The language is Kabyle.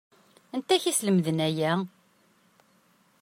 Anti i k-yeslemden aya?